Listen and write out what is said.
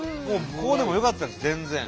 こうでもよかったです全然。